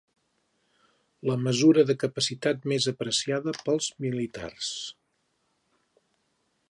La mesura de capacitat més apreciada pels miltars.